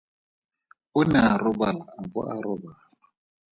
O ne a robala a bo a robala.